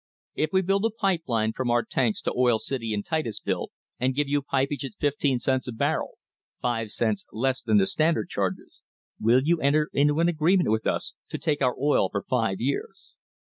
If we build a pipe line from our tanks to Oil City and Titusville and give you pip age at fifteen cents a barrel, five cents less than the Standard charges, will you enter into an agreement with us to take our oil for five years?